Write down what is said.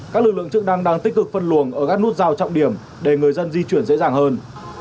các lực lượng chức năng đang tích cực phân luồng ở các nút giao trọng điểm để người dân di chuyển dễ dàng hơn